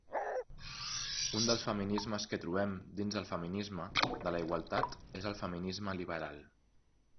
Un dels feminismes que trobem dins el feminisme de la igualtat és el feminisme liberal.